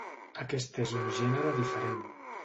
Aquest és un gènere diferent.